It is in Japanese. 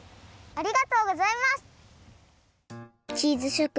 ありがとうございます！